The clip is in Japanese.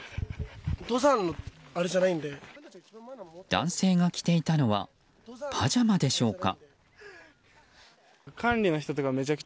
男性が着ていたのはパジャマでしょうか。